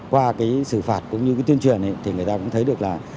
qua cái xử phạt cũng như cái tuyên truyền thì người ta cũng thấy được là